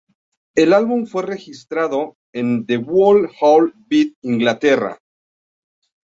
El álbum fue registrado en The Wool Hall, Bath, Inglaterra.